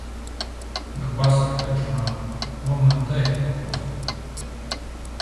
Nu pasaki taču man, ko man teikt, lūdzu!